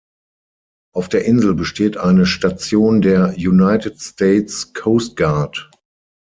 Auf der Insel besteht eine Station der United States Coast Guard.